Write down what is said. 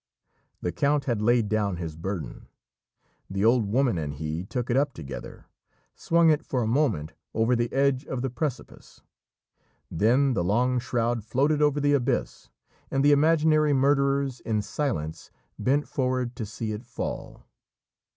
The count had laid down his burden; the old woman and he took it up together, swung it for a moment over the edge of the precipice, then the long shroud floated over the abyss, and the imaginary murderers in silence bent forward to see it fall.